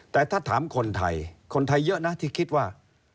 แต่ถ้าถามคนไทยคนไทยเยอะนะที่คิดว่า